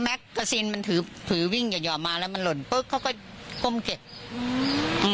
พอแม็กซ์กระซินมันถือถือวิ่งอย่าหย่อมาแล้วมันหล่นปุ๊บเขาก็ก้มเก็บอืม